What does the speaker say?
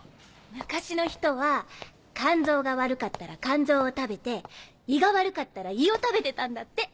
昔の人は肝臓が悪かったら肝臓を食べて胃が悪かったら胃を食べてたんだって。